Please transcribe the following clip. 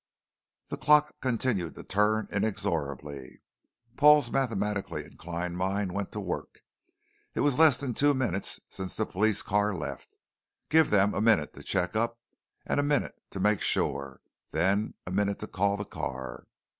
The clock continued to turn inexorably. Paul's mathematically inclined mind went to work; it was less than two minutes since the police car left. Give them a minute to check up, and a minute to make sure, then a minute to call the car.